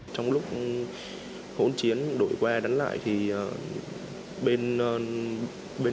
trong lúc hỗn chiến đổi qua đánh lại thì bên